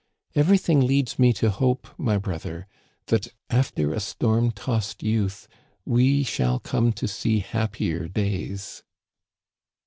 Everything leads me to hope, my brother, that after a storm tossed youth we shall come to see happier days."